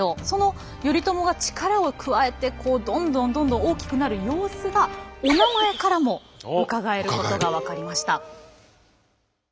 その頼朝が力を加えてどんどんどんどん大きくなる様子がおなまえからもうかがえることが分かりました。